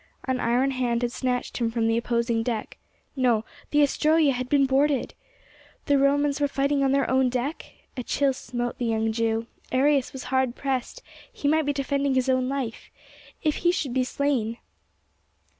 An iron hand had snatched him from the opposing deck—no, the Astroea had been boarded! The Romans were fighting on their own deck? A chill smote the young Jew: Arrius was hard pressed—he might be defending his own life. If he should be slain!